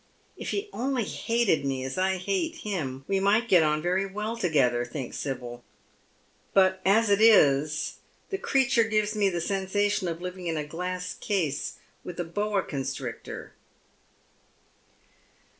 *' If he only hated me as I hate him we might get on very Veil together," thinks Sibyl ; "but as it is, the creature gives me he sensation of living in a glass case with a boa constrictor."